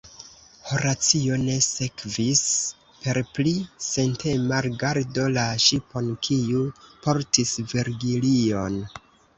Horacio ne sekvis per pli sentema rigardo la ŝipon, kiu portis Virgilion.